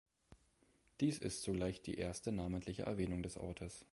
Dies ist zugleich die erste namentliche Erwähnung des Ortes.